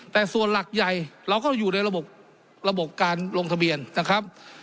แต่ส่วนหลักใหญ่เราก็อยู่ในระบบระบบการลงทะเบียนนะครับ